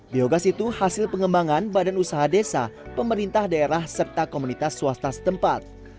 biogas itu hasil pengembangan badan usaha desa pemerintah daerah serta komunitas swasta setempat